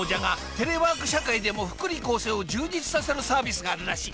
テレワーク社会でも福利厚生を充実させるサービスがあるらしい。